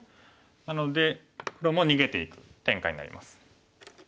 なので黒も逃げていく展開になります。